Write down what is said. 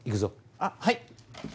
あっはい。